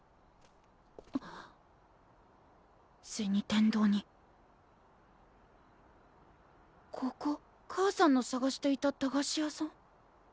天堂にここ母さんの探していた駄菓子屋さん？